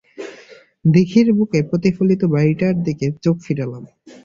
দিঘির বুকে প্রতিফলিত বাড়িটার দিকে চোখ ফেরালাম।